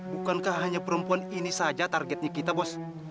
bukankah hanya perempuan ini saja targetnya kita bos